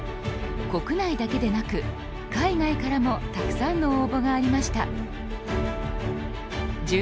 国内だけでなく海外からもたくさんの応募がありました。